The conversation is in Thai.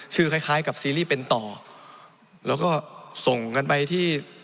คล้ายคล้ายกับซีรีส์เป็นต่อแล้วก็ส่งกันไปที่